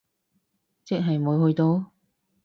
即係冇去到？